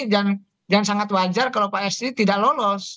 jangan sangat wajar kalau psi tidak lolos